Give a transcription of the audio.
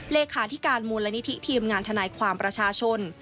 เลขาธิการมูลนิธิทีมงานทนายความประชาชน